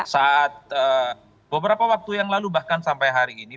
saat beberapa waktu yang lalu bahkan sampai hari ini